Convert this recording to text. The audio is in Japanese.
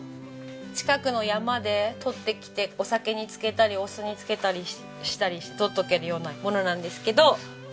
近くの山で採ってきてお酒に漬けたりお酢に漬けたりしたりして取っておけるようなものなんですけど。